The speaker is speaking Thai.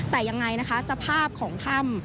แต่ยังไงนะคะสภาพของถ้ำ